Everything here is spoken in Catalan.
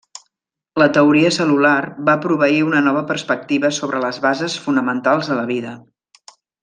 La teoria cel·lular va proveir una nova perspectiva sobre les bases fonamentals de la vida.